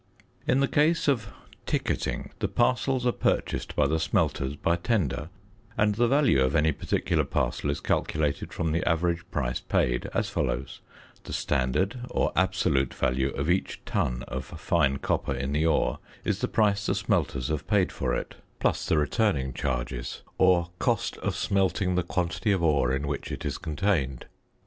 In the case of "ticketing," the parcels are purchased by the smelters by tender, and the value of any particular parcel is calculated from the average price paid, as follows: The "standard," or absolute value of each ton of fine copper in the ore, is the price the smelters have paid for it, plus the returning charges or cost of smelting the quantity of ore in which it is contained.